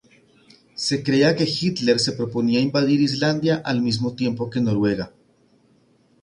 Se creía que Hitler se proponía invadir Islandia al mismo tiempo que Noruega.